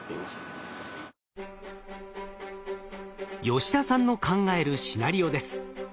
吉田さんの考えるシナリオです。